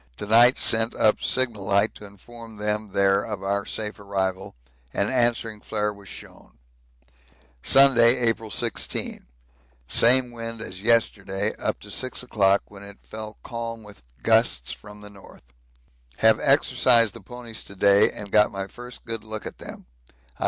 To night sent up signal light to inform them there of our safe arrival an answering flare was shown. Sunday, April 16. Same wind as yesterday up to 6 o'clock, when it fell calm with gusts from the north. Have exercised the ponies to day and got my first good look at them.